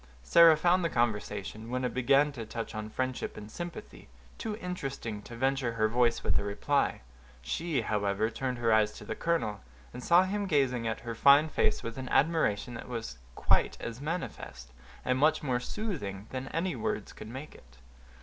Sarah found the conversation, when it began to touch on friendship and sympathy, too interesting to venture her voice with a reply. She, however, turned her eyes on the colonel, and saw him gazing at her fine face with an admiration that was quite as manifest, and much more soothing, than any words could make it.